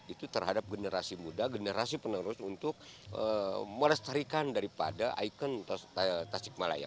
itu terhadap generasi muda generasi penerus untuk melestarikan daripada ikon tasik malaya